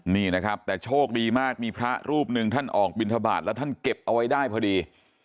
นี่นะครับแต่โชคดีมากมีพระรูปหนึ่งท่านออกบินทบาทแล้วท่านเก็บเอาไว้ได้พอดี